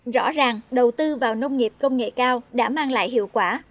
rõ ràng đầu tư vào nông nghiệp công nghệ cao đã mang lại hiệu quả